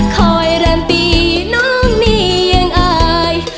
คอยแลนตี้น้องมียังอาย